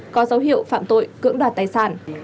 có dấu hiệu phạm tội cưỡng đoạt tài sản